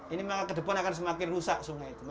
ini maka ke depan akan semakin rusak sungai itu